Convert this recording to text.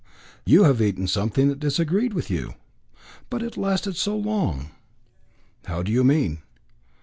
"You have eaten something that disagreed with you." "But it lasted so long." "How do you mean?